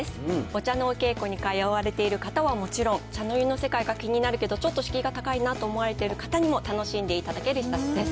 お茶のお稽古に通われている方はもちろん、茶の湯の世界が気になるけど、ちょっと敷居が高いなと思われている方にも楽しんでいただける一冊です。